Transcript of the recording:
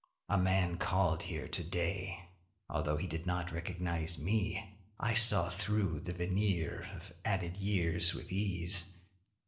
A man called here to day. Although he did not recognize me, I saw through the veneer of added years with ease.